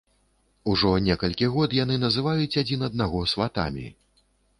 Ужо некалькі год яны называюць адзін аднаго сватамі.